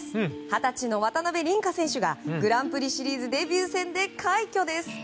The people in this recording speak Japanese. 二十歳の渡辺倫果選手がグランプリシリーズデビュー戦で快挙です。